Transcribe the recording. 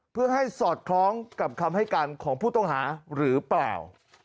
เพื่อให้สอดคล้องกับคำให้การของผู้ต้องหาหรือเปล่า